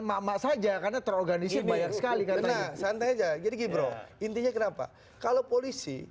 mama saja karena terorganisir banyak sekali kan santai aja jadi gibrow intinya kenapa kalau polisi